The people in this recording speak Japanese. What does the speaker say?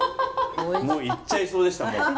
もう行っちゃいそうでしたもん。